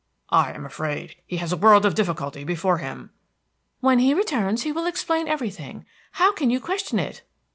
I am afraid he has a world of difficulty before him." "When he returns he will explain everything. How can you question it?"